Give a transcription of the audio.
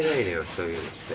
そういうのって。